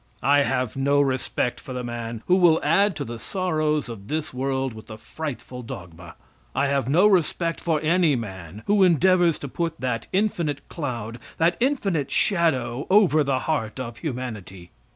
I have no respect for the man who will add to the sorrows of this world with the frightful dogma. I have no respect for any man who endeavors to put that infinite cloud, that infinite shadow, over the heart of humanity.